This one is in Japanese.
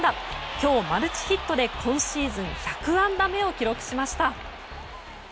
今日マルチヒットで今シーズン１００安打目を記録しました。